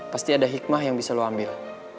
pasti ada hikmah yang bisa lo ambil